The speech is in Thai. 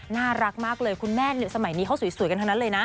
น่ารักมากเลยคุณแม่สมัยนี้เขาสวยกันทั้งนั้นเลยนะ